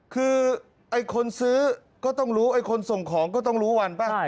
คือไอ้คนซื้อก็ต้องรู้ไอ้คนส่งของก็ต้องรู้วันป่ะ